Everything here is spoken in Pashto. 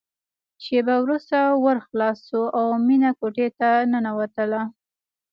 شېبه وروسته ور خلاص شو او مينه کوټې ته ننوتله